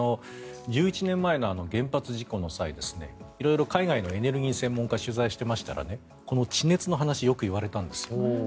１１年前の原発事故の際に海外のエネルギー専門家を取材していましたらこの地熱の話よく言われたんです。